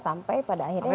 sampai pada akhirnya ya tadi